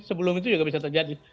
sebelum itu juga bisa terjadi